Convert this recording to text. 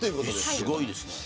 すごいですね。